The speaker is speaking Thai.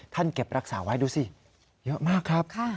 เก็บรักษาไว้ดูสิเยอะมากครับ